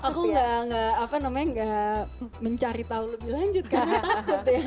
aku ga apa namanya ga mencari tau lebih lanjut karena takut ya